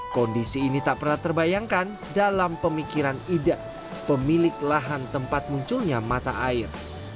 kondisi ini tak pernah terbayangkan dalam pemikiran ida pemilik lahan tempat munculnya mata air